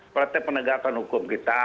praktek penegakan hukum kita